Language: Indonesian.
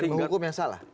menghukum yang salah